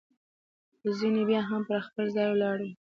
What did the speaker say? خو ځیني بیا هم پر خپل ځای ولاړ وي.